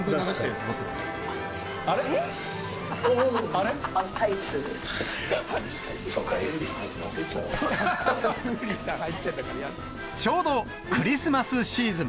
そうか、ちょうどクリスマスシーズン。